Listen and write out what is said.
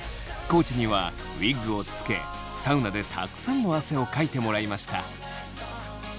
地にはウィッグをつけサウナでたくさんの汗をかいてもらいました。